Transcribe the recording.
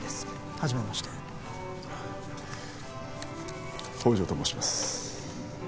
初めまして宝条と申します